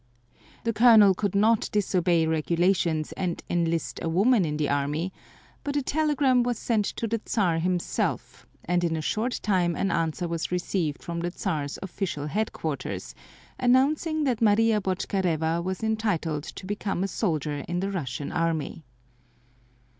The Colonel could not disobey regulations and enlist a woman in the army, but a telegram was sent to the Czar himself, and in a short time an answer was received from the Czar's official headquarters, announcing that Maria Botchkareva was entitled to become a soldier in the Russian army.